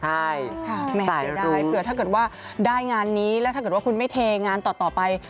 ใช่ค่ะแม่เสียดายเผื่อถ้าเกิดว่าได้งานนี้แล้วถ้าเกิดว่าคุณไม่เทงานต่อไป